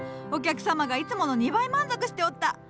お客様がいつもの２倍満足しておった。